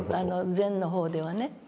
禅の方ではね。